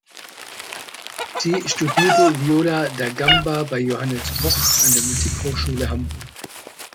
Sie studierte Viola da gamba bei Johannes Koch an der Musikhochschule Hamburg.